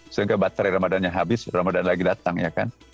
sehingga batere ramadhan yang habis ramadhan lagi datang ya kan